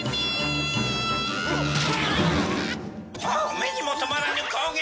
目にも留まらぬ攻撃！